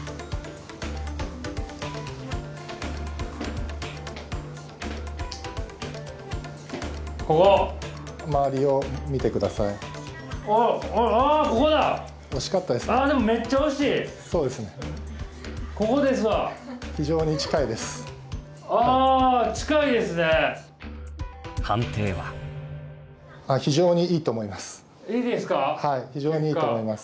はい非常にいいと思います。